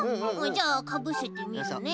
じゃあかぶせてみるね。